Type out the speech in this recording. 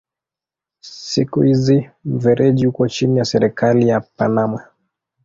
Siku hizi mfereji uko chini ya serikali ya Panama.